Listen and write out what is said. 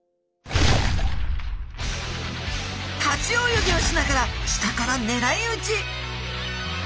立ち泳ぎをしながら下からねらいうち！